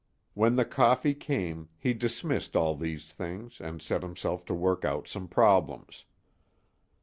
When the coffee came, he dismissed all these things, and set himself to work out some problems.